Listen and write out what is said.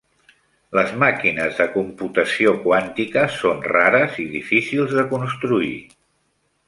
Les màquines de computació quàntica són rares i difícils de construir.